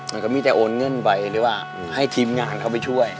มันก็มีแต่โอนเงินไปหรือว่าให้ทีมงานเข้าไปช่วย